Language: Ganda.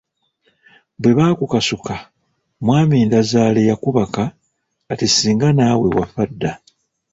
Bwe baakukasuka, mwami Ndazaale yakubaka, kati singa naawe wafa dda.